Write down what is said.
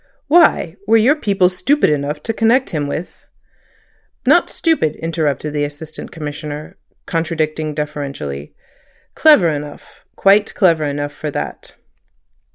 "Why? Were your people stupid enough to connect him with—" "Not stupid," interrupted the Assistant Commissioner, contradicting deferentially. "Clever enough—quite clever enough for that."